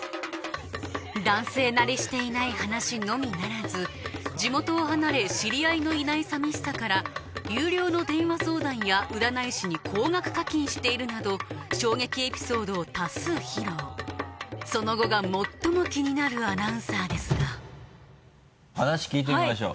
男性慣れしていない話のみならず地元を離れ知り合いのいない寂しさから有料の電話相談や占い師に高額課金しているなど衝撃エピソードを多数披露その後が最も気になるアナウンサーですが話聞いてみましょう。